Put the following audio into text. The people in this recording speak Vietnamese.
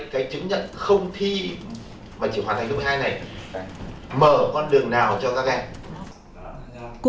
cái chứng nhận không thi mà chỉ hoàn thành lớp hai này mở con đường nào cho các em